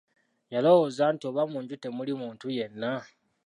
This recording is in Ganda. Yalowooza nti oba munju temuli muntu yenna.